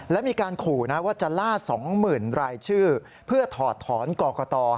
และมีการข่าวว่าจะล่าสองหมื่นรายชื่อเพื่อถอดถอนกรกฎา